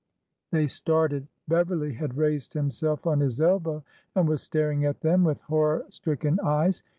" They started. Beverly had raised himself on his elbow and was staring at them with horror stricken eyes.